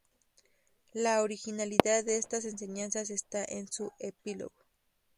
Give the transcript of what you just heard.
La originalidad de estas enseñanzas está en su epílogo.